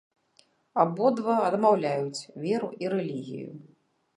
Абодва адмаўляюць веру і рэлігію.